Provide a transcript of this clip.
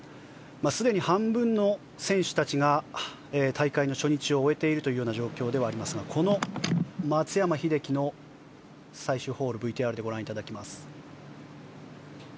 すでに半分の選手たちが大会の初日を終えている状況ですがこの松山英樹の最終ホールＶＴＲでご覧いただきます。